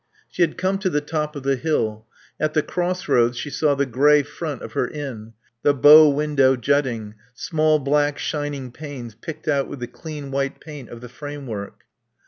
She had come to the top of the hill. At the crossroads she saw the grey front of her inn, the bow window jutting, small black shining panes picked out with the clean white paint of the frame work.